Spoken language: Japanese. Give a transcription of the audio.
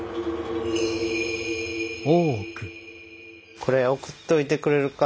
これ送っといてくれるか？